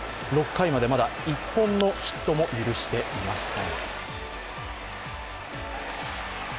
６回までまだ１本のヒットも許していません。